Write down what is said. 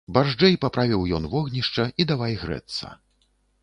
Барзджэй паправіў ён вогнішча і давай грэцца.